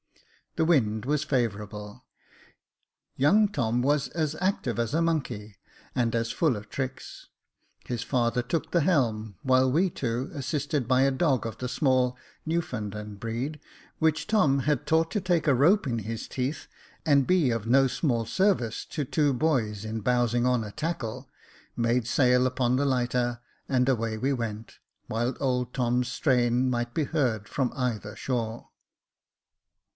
The wind was favourable. Young Tom was as active as a monkey, and as full of tricks. His father took the helm, while we two, assisted by a dog of the small Newfoundland breed, which Tom had taught to take a rope in his teeth, and be of no small service to two boys in bowsing on a tackle, made sail upon the lighter, and away we went, while old Tom's strain might be heard from either shore.